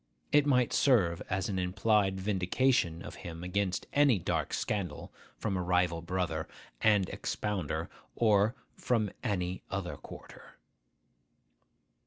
It might serve as an implied vindication of him against any dark scandal from a rival brother and expounder, or from any other quarter.